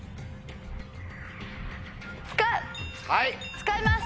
使います！